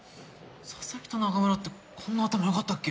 佐々木と中村ってこんな頭良かったっけ！？